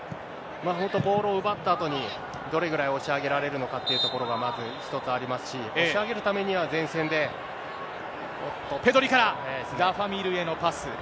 本当、ボールを奪ったあとにどれぐらい押し上げられるのかってところがまず１つありますし、押し上げるためには前線で、おっと。